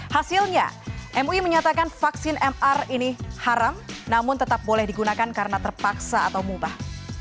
hasilnya mui menyatakan vaksin mr ini haram namun tetap boleh digunakan karena terpaksa atau mubah